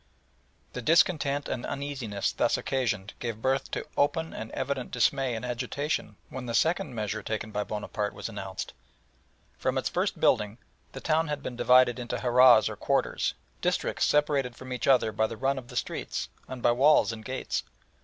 The discontent and uneasiness thus occasioned gave birth to open and evident dismay and agitation when the second measure taken by Bonaparte was announced. From its first building, the town had been divided into harahs or quarters districts separated from each other by the run of the streets, and by walls and gates.